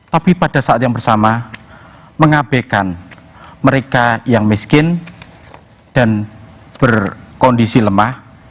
tapi pada saat yang bersama mengabekan mereka yang miskin dan berkondisi lemah